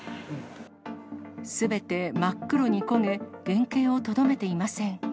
すべて真っ黒に焦げ、原形をとどめていません。